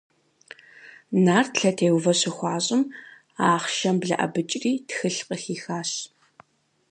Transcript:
Нарт лъэтеувэ щыхуащӏым, ахъшэм блэӏэбыкӏри тхылъ къыхихащ.